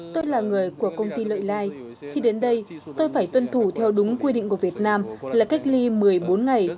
tôi là người của công ty lợi lai khi đến đây tôi phải tuân thủ theo đúng quy định của việt nam là cách ly một mươi bốn ngày